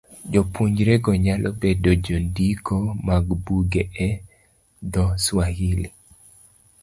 Jopuonjrego nyalo bedo jondiko mag buge e dho - Swahili.